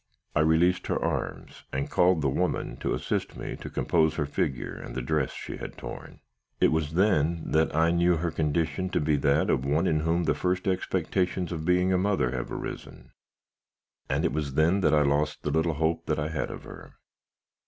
I released her arms, and called the woman to assist me to compose her figure and the dress she had torn. It was then that I knew her condition to be that of one in whom the first expectations of being a mother have arisen; and it was then that I lost the little hope I had had of her.